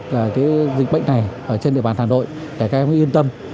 cái dịch bệnh này ở trên địa bàn hà nội để các em ấy yên tâm